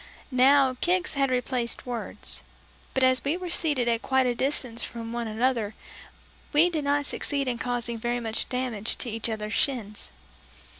Now kicks had replaced words; but as we were seated at quite a distance from one another, we did not succeed in causing very great damage to each other's shins.